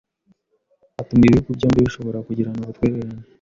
atuma ibihugu byombi bishobora kugirana ubutwererane,